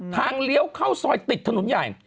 เลี้ยวเข้าซอยติดถนนใหญ่